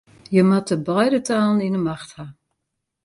Je moatte beide talen yn 'e macht ha.